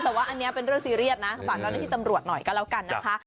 แต่ว่าอันนี้เป็นเรื่องซีเรียสนะฝากเจ้าหน้าที่ตำรวจหน่อยก็แล้วกันนะคะ